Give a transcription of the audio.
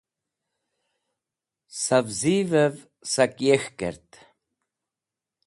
Savzivev sak yek̃hk kert.